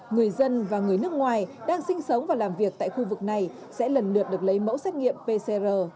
người dân và người nước ngoài đang sinh sống và làm việc tại khu vực này sẽ lần lượt được lấy mẫu xét nghiệm pcr